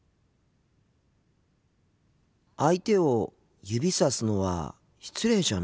相手を指さすのは失礼じゃないんですか？